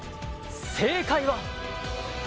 正解は。